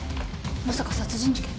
まさか殺人事件？